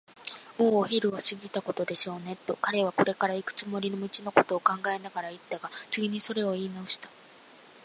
「もうお昼を過ぎたことでしょうね」と、彼はこれからいくつもりの道のことを考えながらいったが、次にそれをいいなおした。